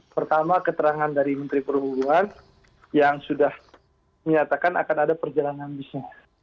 pertama keterangan dari menteri perhubungan yang sudah menyatakan akan ada perjalanan bisnis